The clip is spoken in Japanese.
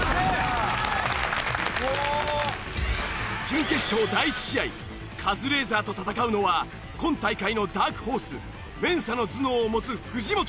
準決勝第１試合カズレーザーと戦うのは今大会のダークホースＭＥＮＳＡの頭脳を持つ藤本。